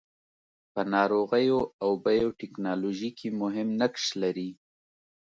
په ناروغیو او بیوټیکنالوژي کې مهم نقش لري.